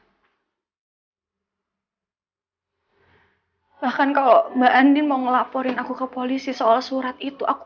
di bahkan ke celular nih mau ngelaporin aku ke polisi soal surat itu aku